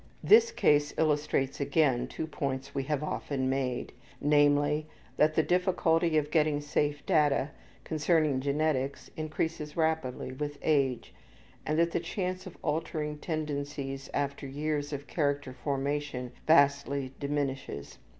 This case illustrates, again, two points we have often made, namely, that the difficulty of getting safe data concerning genetics increases rapidly with age, and that the chance of altering tendencies after years of character formation vastly diminishes.